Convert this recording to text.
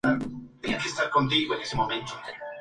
Setenta y tres años de profesión en el mundo del doblaje.